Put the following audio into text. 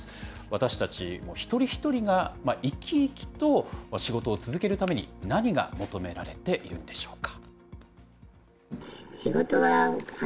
私たち一人一人が、生き生きと仕事を続けるために、何が求められているんでしょうか。